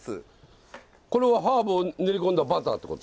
これはハーブを練り込んだバターってこと？